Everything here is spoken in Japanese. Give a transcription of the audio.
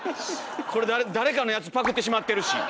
これ誰かのやつパクってしまってるし。